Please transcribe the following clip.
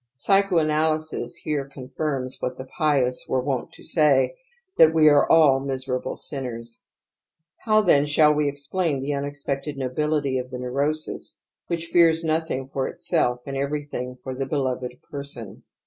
Psych oanalysis here confirms what the pious were wont to say, that we are all miserable sin ners^ How then shall we explain the unexpected nobihty of the neurosis which fears nothing for itself and everything for the beloved person